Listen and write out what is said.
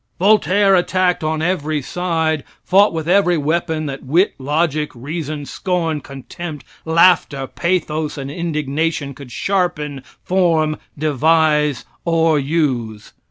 Voltaire, attacked on every side, fought with every weapon that wit, logic, reason, scorn, contempt, laughter, pathos and indignation could sharpen, form, devise or use.